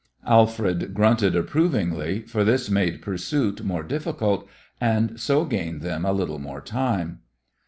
Alfred grunted approvingly, for this made pursuit more difficult, and so gained them a little more time.